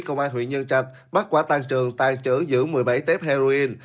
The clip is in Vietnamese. công an huyện nhân trạch bắt quả tăng trường tàn trữ giữ một mươi bảy tép heroin